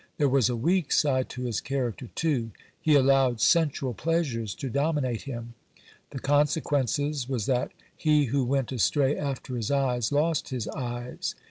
There was a weak side to his character, too. He allowed sensual pleasures to dominate him. The consequences was that "he who went astray after his eyes, lost his eyes."